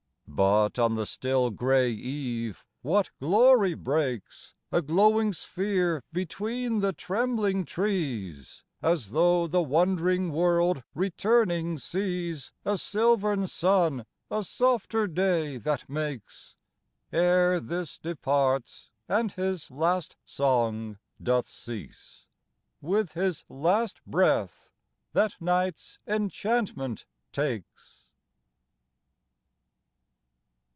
But on the still grey eve what glory breaks! A glowing sphere between the trembling trees, As though the wondering world returning sees A silvern sun a softer day that makes, Ere this departs and his last song doth cease With his last breath that night's enchantment takes.